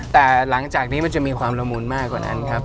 แต่หลังจากนี้มันจะมีความละมุนมากกว่านั้นครับ